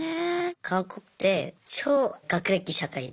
韓国って超学歴社会で。